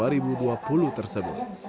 jadi tidak ada unsur kesengajaan sama sekali